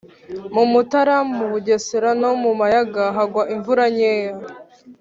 mu mutara, mu bugesera no mu mayaga hagwa imvura nkeya